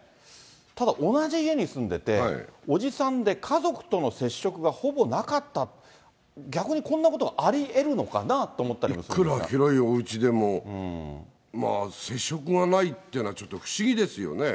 ただ同じ家に住んでて、伯父さんで、家族との接触がほぼなかったって、逆にこんなことありえるのかなといくら広いおうちでも、接触がないっていうのはちょっと不思議ですよね。